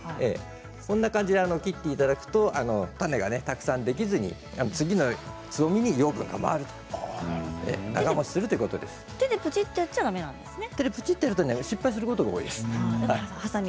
こんな感じで切っていただくと種がたくさんできずに次のつぼみに養分が回ると手でプチっとやっちゃ失敗することが多いです。